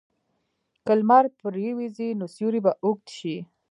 که لمر پرېوځي، نو سیوری به اوږد شي.